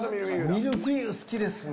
ミルフィーユ好きですね。